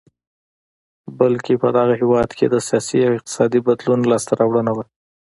بلکې په دې هېواد کې د سیاسي او اقتصادي بدلون لاسته راوړنه وه.